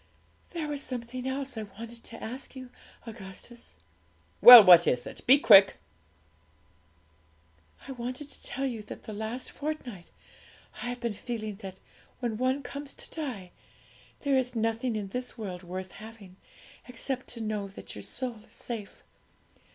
'There was something else I wanted to ask you, Augustus.' 'Well, what is it? Be quick!' 'I wanted to tell you that the last fortnight I have been feeling that when one comes to die, there is nothing in this world worth having, except to know that your soul is safe.